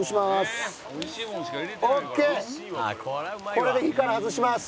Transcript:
これで火から外します。